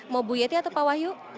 mau bu yeti atau pak wahyu